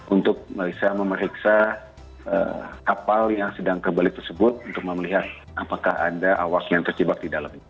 untuk bisa memeriksa kapal yang sedang kebalik tersebut untuk memelihara apakah ada awas yang terjebak di dalamnya